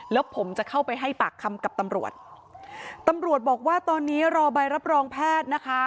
แล้วผมจะเข้าไปให้ปากคำกับตำรวจตำรวจบอกว่าตอนนี้รอใบรับรองแพทย์นะคะ